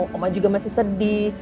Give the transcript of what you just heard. mama juga masih sedih